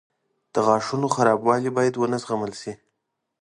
• د غاښونو خرابوالی باید ونه زغمل شي.